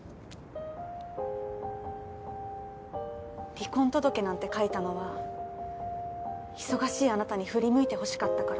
離婚届なんて書いたのは忙しいあなたに振り向いてほしかったから。